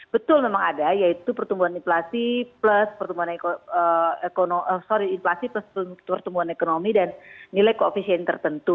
betul memang ada yaitu pertumbuhan inflasi plus pertumbuhan ekonomi dan nilai koefisien tertentu